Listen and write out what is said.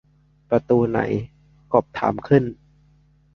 ประตูไหน กบถามขึ้น